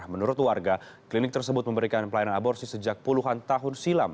menurut warga klinik tersebut memberikan pelayanan aborsi sejak puluhan tahun silam